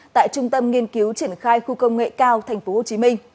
tại trung tâm nghiên cứu triển khai khu công nghệ cao tp hcm